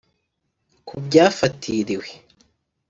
Ku byafatiriwe